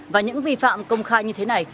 và những vi phạm công khai như thế này